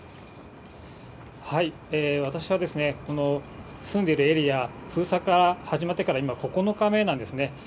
私は、住んでいるエリア、封鎖が始まってから今９日目なんですね。